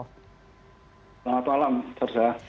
selamat malam terza